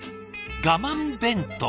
「我慢弁当」。